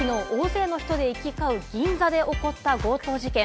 昨日、大勢の人で行き交う銀座で起きた強盗事件。